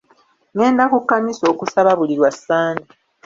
Ngenda ku kkanisa okusaba buli lwasande